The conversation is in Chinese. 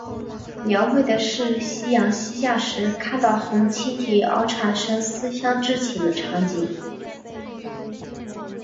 描绘的是夕阳西下时看到红蜻蜓而产生思乡之情的场景。